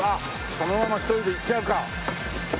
そのまま１人でいっちゃうか。